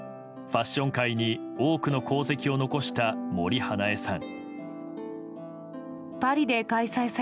ファッション界に多くの功績を残した森英恵さん。